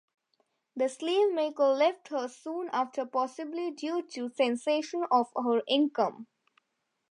The sieve-maker left her soon after, possibly due to the cessation of her income.